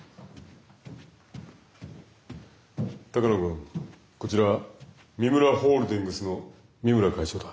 鷹野君こちら三村ホールディングスの三村会長だ。